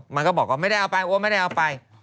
มันก็บอกว่าไม่ได้เอาไปโอ๊ยไม่ได้เอาไป